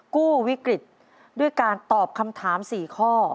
กู้วิกฤตด้วยการตอบคำถาม๔ข้อ